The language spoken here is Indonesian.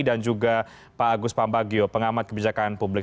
dan juga pak agus pambagio pengamat kebijakan publik